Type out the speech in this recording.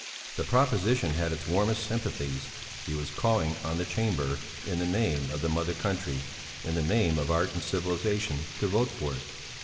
The proposition had its warmest sympathies; he was calling on the Chamber in the name of the Mother country, in the name of art and civilization, to vote for it.